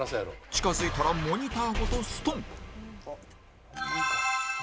近づいたらモニターごとストン！